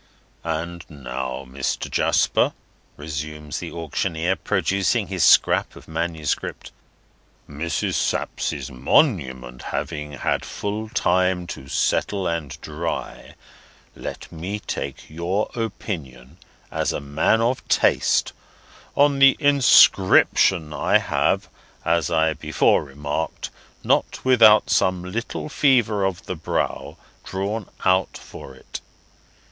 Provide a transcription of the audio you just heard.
"And now, Mr. Jasper," resumes the auctioneer, producing his scrap of manuscript, "Mrs. Sapsea's monument having had full time to settle and dry, let me take your opinion, as a man of taste, on the inscription I have (as I before remarked, not without some little fever of the brow) drawn out for it.